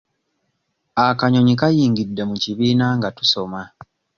Akanyonyi kayingidde mu kibiina nga tusoma.